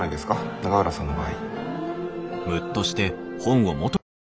永浦さんの場合。